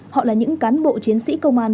họ là những cán bộ chiến sĩ công an